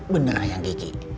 bener ayang kiki